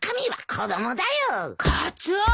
カツオ！